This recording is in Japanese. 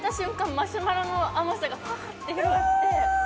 マシュマロの甘さがファーッて広がってうわ！